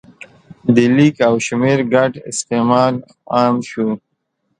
د لیک او شمېر ګډ استعمال عام شو.